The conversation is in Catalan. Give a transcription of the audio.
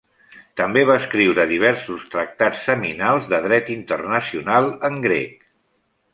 També va escriure diversos tractats seminals de Dret Internacional en grec.